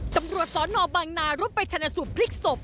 จำรวจสอนอบางนารุ่นไปชนะสูบพลิกศพ